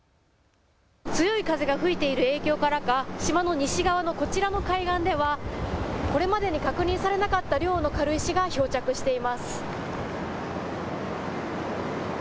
強い風が吹いている影響からか島の西側のこちらの海岸ではこれまでに確認されなかった量の軽石が漂着しています。